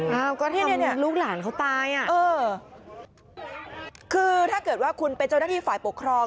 เอ้าก็เนี่ยลูกหลานเขาตายอ่ะเออคือถ้าเกิดว่าคุณเป็นเจ้าหน้าที่ฝ่ายปกครอง